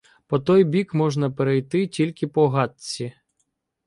По той бік можна перейти тільки по гатці.